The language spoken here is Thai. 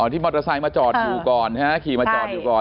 ที่มอเตอร์ไซค์มาจอดอยู่ก่อนขี่มาจอดอยู่ก่อน